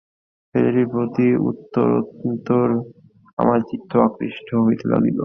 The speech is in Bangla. ছেলেটির প্রতি উত্তরোত্তর আমার চিত্ত আকৃষ্ট হইতে লাগিল।